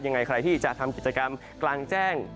ยังไงใครที่จะทำกิจกรรมกลางแจ้ง